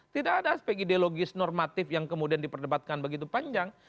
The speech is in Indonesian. tidak ada aspek ideologis normatif yang kemudian diperdebatkan begitu panjang